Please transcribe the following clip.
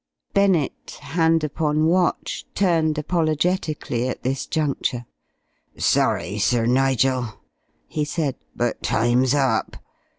Bennett, hand upon watch, turned apologetically at this juncture. "Sorry, Sir Nigel," he said, "but time's up.